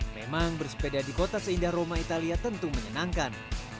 memang bersepeda di kota seindah roma italia tentu menyenangkan